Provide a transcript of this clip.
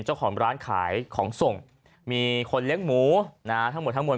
เจ้าของร้านขายของทรงมีคนเลี้ยงหมูทั้งหมดทั้งมนตร์